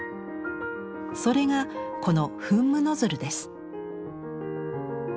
それがこの「噴霧ノズル」です。